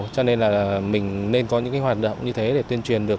cho nên là mình nên có những hoạt động như thế để tuyên truyền được